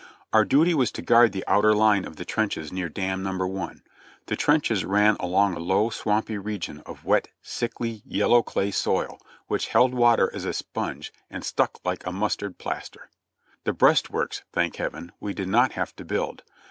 Our duty was to guard the outer line of the trenches near Dam No. i. The trenches ran along a low, swampy region of wet, sickly, yellow clay soil, which held water as a sponge and stuck like a mustard plas ter. The breastworks, thank Heaven! we did not have to build.